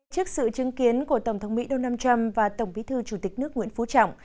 trước sự chứng kiến của tổng thống mỹ donald trump và tổng bí thư chủ tịch nước nguyễn phú trọng